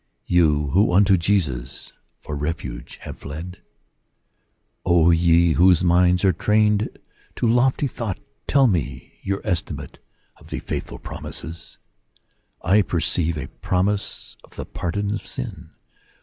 You who unto Jesus for refuge have fled." O ye whose minds are trained to lofty thought, tell me your estimate of the faithful promises ! I perceive a promise of the pardon" of sin.